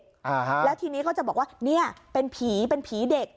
แล้วทีนี้เขาจะบอกว่าเป็นผีเป็นผีเด็ก